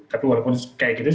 tapi walaupun kayak gitu